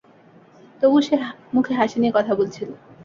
তবুও সে মুখে হাসি নিয়ে কথা বলছিল।